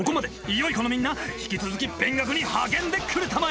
良い子のみんな引き続き勉学に励んでくれたまえ！